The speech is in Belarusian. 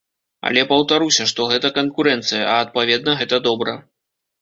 Але паўтаруся, што гэта канкурэнцыя, а адпаведна, гэта добра.